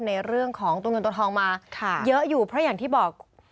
ในเรื่องของตัวเงินตัวทองมาเยอะอยู่เพราะอย่างที่บอก